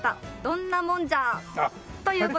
どんなもんじゃ！という事で。